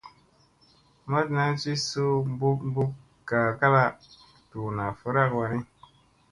Matna ci suu bup bup gaa kala ,duuna varak wanni.